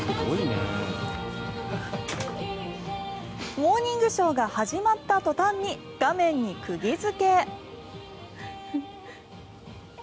「モーニングショー」が始まった途端に画面に釘付け。